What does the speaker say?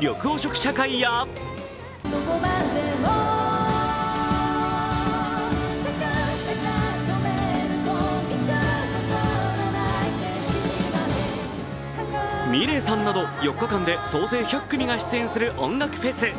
緑黄色社会やｍｉｌｅｔさんなど４日間で総勢１００組が出演する音楽フェス。